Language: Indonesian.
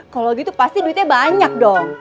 kalau gitu pasti duitnya banyak dong